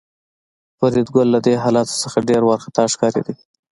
فریدګل له دې حالت څخه ډېر وارخطا ښکارېده